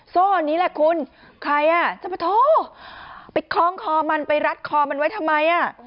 โซ่นี้แหละคุณใครอ่ะเจ้าปะโทไปคล้องคอมันไปรัดคอมันไว้ทำไมอ่ะ